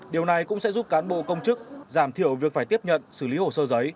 điều này cũng sẽ giúp cán bộ công chức giảm thiểu việc phải tiếp nhận xử lý hồ sơ giấy